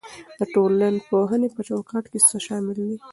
د ټولنپوهنې په چوکاټ کې څه شامل دي؟